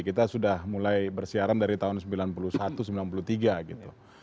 kita sudah mulai bersiaran dari tahun seribu sembilan ratus sembilan puluh satu sembilan puluh tiga gitu